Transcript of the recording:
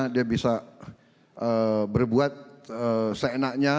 dia bisa berbuat seenaknya